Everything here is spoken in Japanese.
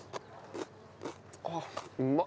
あっうま。